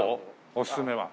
おすすめは。